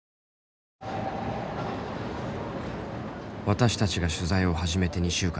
私たちが取材を始めて２週間。